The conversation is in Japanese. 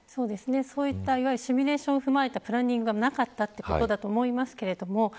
そういったシミュレーションを踏まえたプランニングがなかったということだと思います。